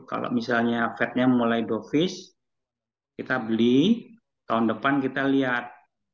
kalau misalnya fed nya mulai dovis kita beli tahun depan kita lihat